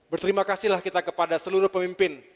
berterima kasihlah kita kepada seluruh pemimpin